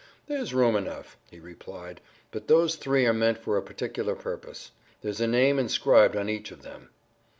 "There's room enough," he replied, "but those three are meant for a particular purpose; there's a name inscribed on each of them."